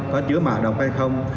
có chứa mạ độc hay không